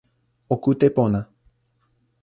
o kute pona.